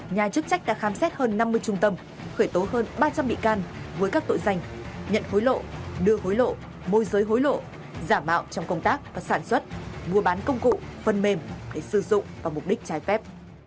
nhà chức trách đã khám xét hơn năm mươi trung tâm khởi tố hơn ba trăm linh bị can với các tội danh nhận hối lộ đưa hối lộ môi giới hối lộ giả mạo trong công tác và sản xuất mua bán công cụ phần mềm để sử dụng vào mục đích trái phép